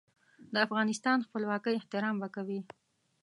د افغانستان خپلواکۍ احترام به کوي.